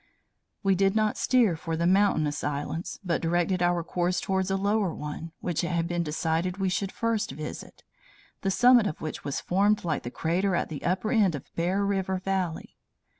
"We did not steer for the mountainous islands, but directed our course towards a lower one, which it had been decided we should first visit, the summit of which was formed like the crater at the upper end of Bear River Valley.